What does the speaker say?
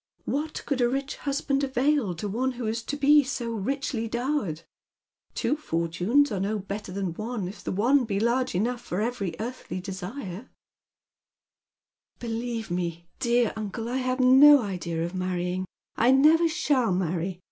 What could a rich husband avail to one who is to be Bo richly dowered ? Two fortunes aro no better than one if the t>ne be large enough for every earthly dcMia, A Dangerous Triumph. 127 •' feelieve me, rloar uncle, I l)ave no idea of manying. I never Bhall marry.